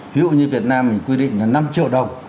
ví dụ như việt nam mình quy định là năm triệu đồng